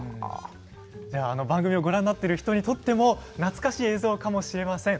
番組をご覧になってる人にとっても懐かしい映像かもしれません。